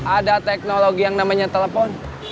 ada teknologi yang namanya telepon